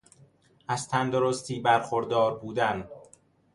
از تندرستی برخوردار بودن